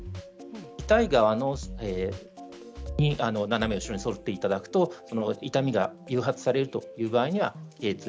痛い側に斜め後ろに反っていただくと痛みが誘発されるという場合にはけい椎